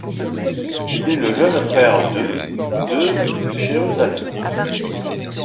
Il est le jeune frère de de Jérusalem.